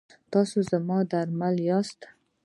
تاسې زما درمان یاست؟